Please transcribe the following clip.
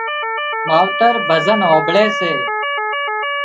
ماوتر ڀزن هانمڀۯي سي